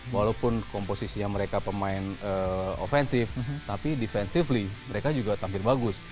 walaupun komposisinya mereka pemain ofensif tapi defensively mereka juga tampil bagus